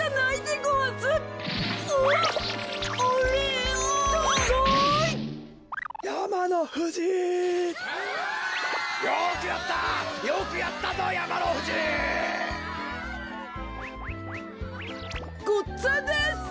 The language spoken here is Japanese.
ごっつぁんです！